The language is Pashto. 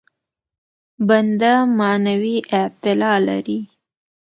بنده معنوي اعتلا لري.